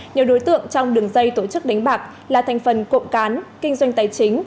nhiều đối tượng trong đường dây tổ chức đánh bạc là thành phần cộng cán kinh doanh tài chính